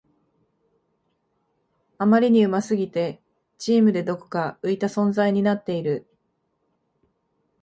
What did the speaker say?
あまりに上手すぎてチームでどこか浮いた存在になっている